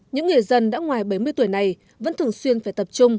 những người dân đã ngoài bảy mươi tuổi này vẫn thường xuyên phải tập trung